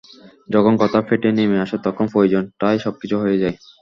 যখন কথা পেটে নেমে আসে তখন প্রয়োজন টাই সবকিছু হয়ে যায়।